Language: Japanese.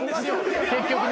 結局ね。